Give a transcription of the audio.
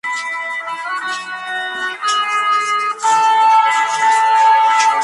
La lectura del triángulo vocálico se realiza en dos ejes.